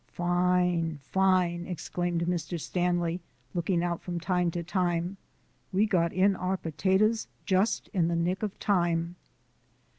"Fine, fine!" exclaimed Mr. Stanley, looking out from time to time, "we got in our potatoes just in the nick of time."